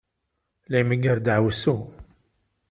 La imegger ddaɛwessu.